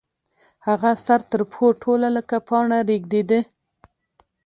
هغه سر تر پښو ټوله لکه پاڼه رېږدېده.